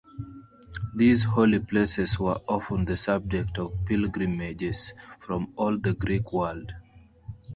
These holy places were often the subject of pilgrimages from all the Greek world.